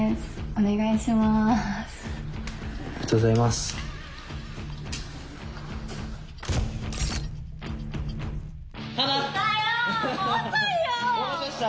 お待たせしました！